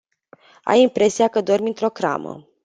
Ai impresia că dormi într-o cramă.